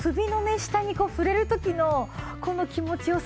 下に触れる時のこの気持ちよさ。